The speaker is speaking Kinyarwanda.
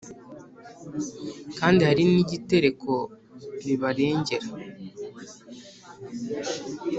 kandi hari n igitereko ribarengera